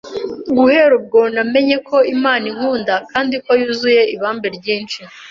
Guhera ubwo, namenye ko Imana inkunda kandi ko yuzuye ibambe ryinshi